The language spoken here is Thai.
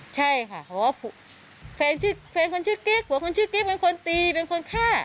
ใช่ค่ะเพราะว่าแฟนชื่อแฟนคนชื่อกิ๊กผัวคนชื่อกิ๊กเป็นคนตีเป็นคนฆ่า